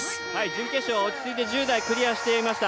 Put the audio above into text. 準決勝、落ち着いて１０台クリアしていました。